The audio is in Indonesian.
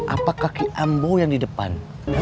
apa kaki ambo yang di depan